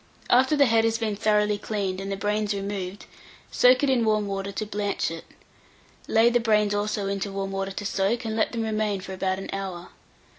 After the head has been thoroughly cleaned, and the brains removed, soak it in warm water to blanch it. Lay the brains also into warm water to soak, and let them remain for about an hour.